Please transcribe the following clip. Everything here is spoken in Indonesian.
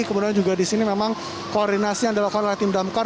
kemudian juga di sini memang koordinasi yang dilakukan oleh tim damkar